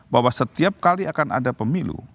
bahwa setiap kali akan ada pemilu